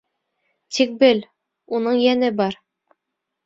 Тик бел: уның йәне бар.